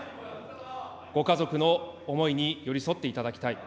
ご家族の思いに寄り添っていただきたい。